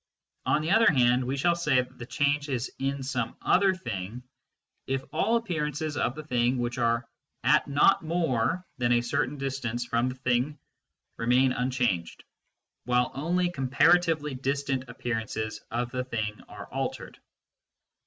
On the other hand we shall say that the change is in some other thing if all appearances of the thing which are at not more than a certain distance from the thing remain unchanged, while only comparatively distant appearances of the thing are altered.